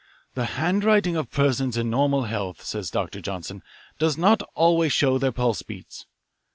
The handwriting of persons in normal health, says Dr. Johnson, does not always show their pulse beats.